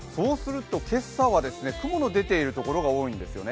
今朝は雲の出ているところが多いんですよね。